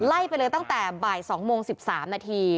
ไล่ไปเลยตั้งแต่บ่าย๒โมง๑๓นาที